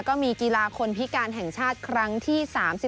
ก็มีกีฬาคนพิการแห่งชาติครั้งที่๓๔